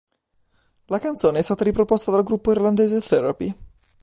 La canzone è stata riproposta dal gruppo irlandese Therapy?